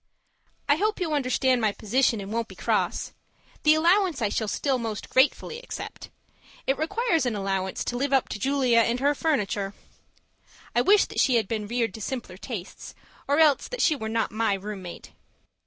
I hope you understand my position and won't be cross. The allowance I shall still most gratefully accept. It requires an allowance to live up to Julia and her furniture! I wish that she had been reared to simpler tastes, or else that she were not my room mate.